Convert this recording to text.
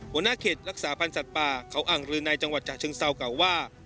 บรรณาเขตรรักษาพันธุ์สัตว์ป่าเขาอังรือในจังหวัดฉะเชิงเศร้ากล่าวว่า